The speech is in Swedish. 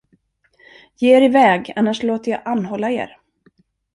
Ge er iväg, annars låter jag anhålla er.